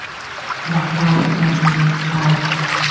vacasta rini chay